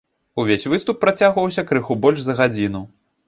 Увесь выступ працягваўся крыху больш за гадзіну.